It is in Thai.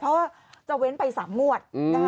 เพราะจะเว้นไปสามงวด